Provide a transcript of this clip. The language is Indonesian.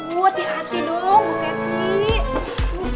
bu hati hati dong bu kety